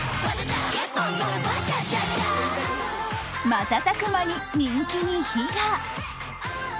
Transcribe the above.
瞬く間に人気に火が。